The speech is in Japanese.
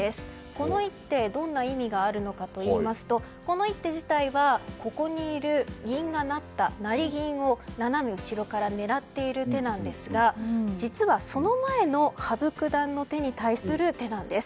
この一手、どんな意味があるのかといいますとこの一手自体はここにある銀が成った成銀を斜め後ろから狙っている手なんですが実は、その前の羽生九段の手に対する手なんです。